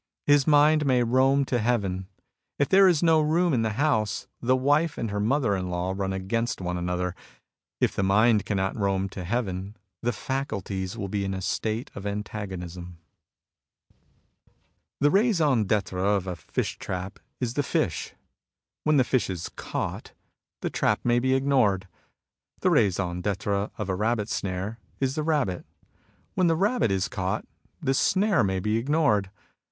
His mind may roam to heaven. If there is no room in the house, the wife and her mother in law run against one another. If the mind cannot roam to heaven, the faculties will be in a state of antagonism. The raison d'^etre of a fish trap is the fish. When ^"> the fish is caught, the trap may be ignored. The raison d'^etre of a rabbit snare is the rabbit. When the rabbit is caught, the snare may be ignored.